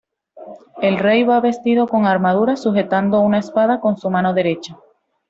El rey va vestido con armadura, sujetando una espada con su mano derecha.